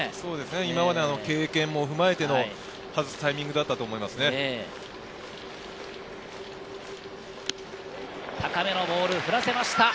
今までの経験もふまえての外すタイミングだったと思いますね。